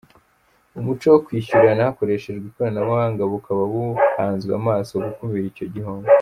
Umuco wo kwishyurana hakoreshejwe ikoranabuhanga bukaba buhanzwe amaso gukumira icyo gihombo.